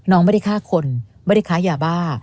น้องไม่ได้ฆ่าคนไม่ได้ค้ายาบ้า